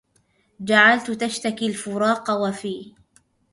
جعلت تشتكي الفراق وفي